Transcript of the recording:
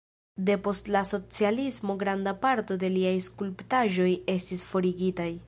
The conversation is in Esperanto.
Depost la socialismo granda parto de liaj skulptaĵoj estis forigitaj.